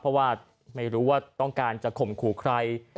เพราะว่าไม่รู้ว่าต้องการจะข่มขู่ใคร